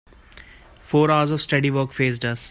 Four hours of steady work faced us.